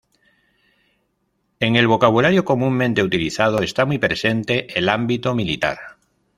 En el vocabulario comúnmente utilizado está muy presente el ámbito militar.